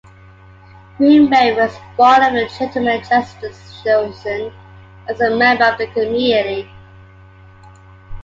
Greenberry was one of the gentlemen justices chosen as a member of that committee.